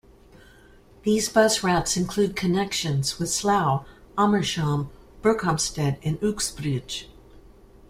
These bus routes include connections with Slough, Amersham, Berkhamsted and Uxbridge.